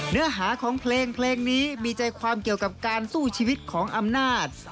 เนื้อหาของเพลงเพลงนี้มีใจความเกี่ยวกับการสู้ชีวิตของอำนาจ